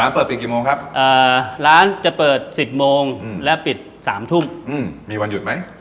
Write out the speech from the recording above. เปิดปิดกี่โมงครับร้านจะเปิด๑๐โมงและปิด๓ทุ่มมีวันหยุดไหม